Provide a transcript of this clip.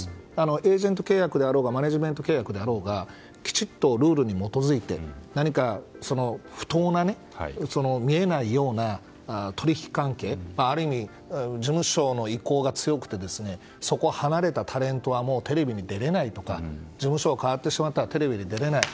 エージェント契約であろうがマネジメント契約であろうがきちっとルールに基づいて不当な見えないような取引関係、ある意味事務所の意向が強くてそこを離れたタレントはテレビに出られないとか事務所が変わってしまったテレビに出れない。